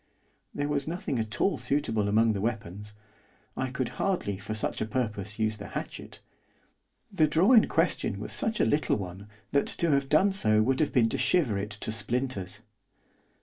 There was nothing at all suitable among the weapons, I could hardly for such a purpose use the hatchet; the drawer in question was such a little one that to have done so would have been to shiver it to splinters.